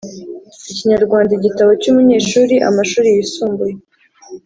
Ikinyarwanda Igitabo cy’umunyeshuri Amashuri yisumbuye